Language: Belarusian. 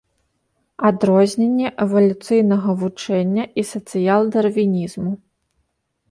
Адрозненне эвалюцыйнага вучэння і сацыял-дарвінізму.